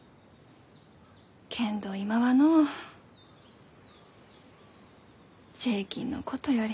けんど今はのう税金のことより。